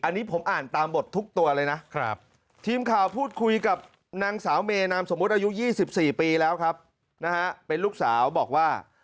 อันนี้ผมอ่านตามบททุกตัวเลยนะทีมข่าวพูดคุยกับนางสาวเมนามสมมุติอายุ๒๔ปีแล้วครับนะฮะเป็นลูกสาวบอกว่า